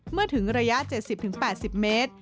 เมื่อถึงระยะ๗๐๘๐เมตร